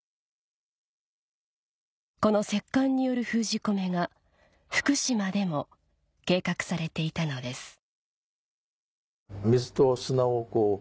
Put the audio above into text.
この石棺による封じ込めが福島でも計画されていたのです